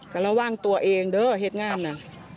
ก็ละว่างตัวเองด้วยเห็นงานน่ะ